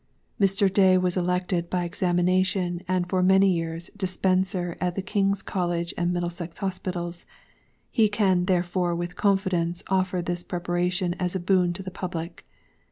Mr. DAY was elected, by examination, and for many years Dispenser, at the KingŌĆÖs College and Middlesex Hospitals; he can, therefore, with confidence, offer this Preparation as a boon to the public.